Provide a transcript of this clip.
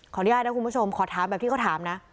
อนุญาตนะคุณผู้ชมขอถามแบบที่เขาถามนะ